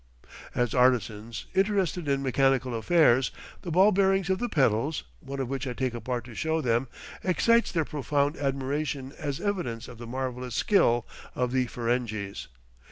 As artisans, interested in mechanical affairs, the ball bearings of the pedals, one of which I take apart to show them, excites their profound admiration as evidence of the marvellous skill of the Ferenghis.